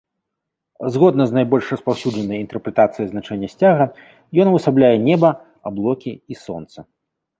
Згодна з найбольш распаўсюджанай інтэрпрэтацыяй значэння сцяга, ён увасабляе неба, аблокі і сонца.